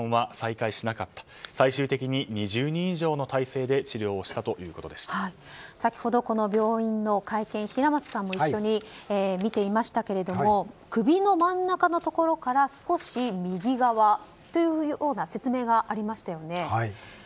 そして、頸部、首に２カ所の銃創があって先ほどこの病院の会見平松さんも一緒に見ていましたが首の真ん中のところから少し右側というような説明がありましたよね。